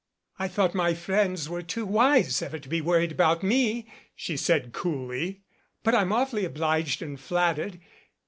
"I thought my friends were too wise ever to be worried about me" she said coolly. "But I'm awfully obliged and flattered.